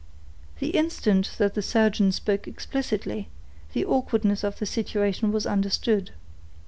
The instant that the surgeon spoke explicitly, the awkwardness of the situation was understood.